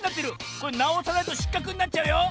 これなおさないとしっかくになっちゃうよ。